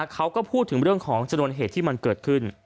เขาก็พูดถึงเรื่องของชนวนเหตุที่มันเกิดขึ้น